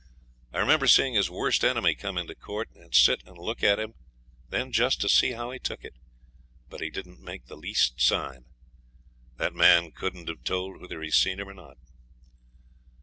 I remember seeing his worst enemy come into the court, and sit and look at him then just to see how he took it, but he didn't make the least sign. That man couldn't have told whether he seen him or not.